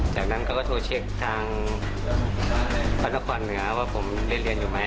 จากนั้นเขาก็โทรเช็คทางพระนครเหนือว่าผมได้เรียนอยู่ไหม